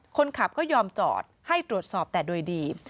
คนขับก็ยอมจอดให้ตรวจสอบแต่โดยดี